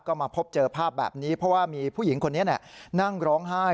ก็มาพบเจอภาพแบบนี้เพราะว่ามีผู้หญิงคนนี้นั่งร้องไห้